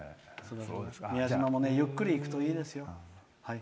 宮島もゆっくり行くといいですよ。